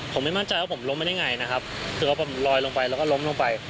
ผมไม่มั่นใจว่าผมล้มไปได้ไงนะครับคือว่าผมลอยลงไปแล้วก็ล้มลงไป